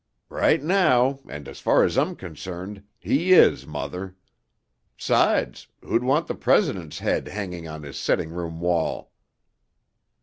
"Right now, and as far as I'm concerned, he is, Mother. 'Sides, who'd want the President's head hanging on his setting room wall?"